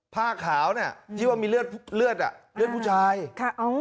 ผ้าขาวน่ะที่ว่ามีเลือดเลือดอ่ะเลือดผู้ชายค่ะอ๋อ